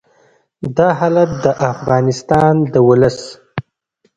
دا حالت د افغانستان د ولس